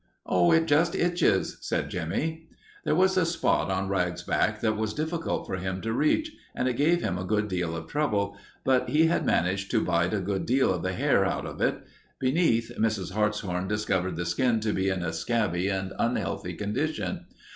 "Oh, it just itches," said Jimmie. There was a spot on Rags's back that was difficult for him to reach, and it gave him a good deal of trouble, but he had managed to bite a good deal of the hair out of it. Beneath, Mrs. Hartshorn discovered the skin to be in a scabby and unhealthy condition.